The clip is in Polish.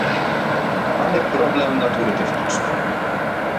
Mamy problem natury technicznej